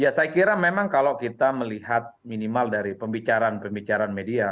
ya saya kira memang kalau kita melihat minimal dari pembicaraan pembicaraan media